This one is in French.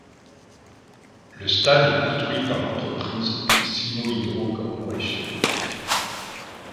Le stade est construit par l'entreprise Sinohydro Corporation.